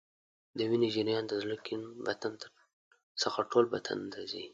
د وینې جریان د زړه کیڼ بطن څخه ټول بدن ته ځي.